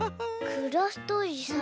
クラフトおじさん。